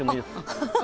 アハハハ！